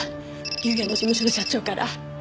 竜也の事務所の社長から。